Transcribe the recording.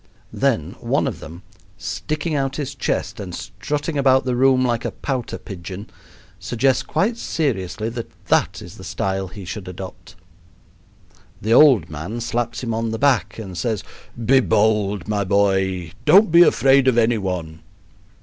Then one of them, sticking out his chest and strutting about the room like a pouter pigeon, suggests quite seriously that that is the style he should adopt. The old man slaps him on the back and says: "Be bold, my boy. Don't be afraid of any one."